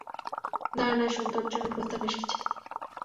দাড়া না শোন, তোর জন্য প্রস্তাব এসেছে।